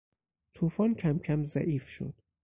توفان کمکم ضعیف شد.